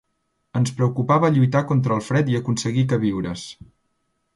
Ens preocupava lluitar contra el fred i aconseguir queviures.